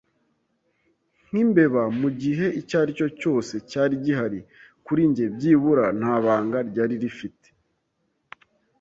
nkimbeba mugihe icyaricyo cyose cyari gihari. Kuri njye, byibura, nta banga ryari rifite